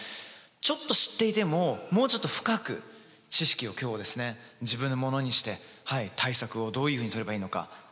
ちょっと知っていてももうちょっと深く知識を今日はですね自分のものにして対策をどういうふうにとればいいのか学んでいきたいと思います。